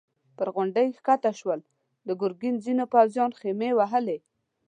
پر غونډۍ کښته شول، د ګرګين ځينو پوځيانو خيمې وهلې.